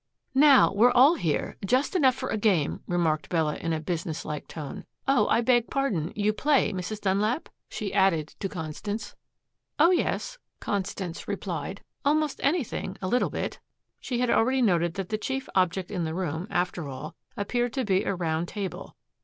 "Now we're all here just enough for a game," remarked Bella in a business like tone. "Oh, I beg pardon you play, Mrs. Dunlap?" she added to Constance. "Oh, yes," Constance replied. "Almost anything a little bit." She had already noted that the chief object in the room, after all, appeared to be a round table.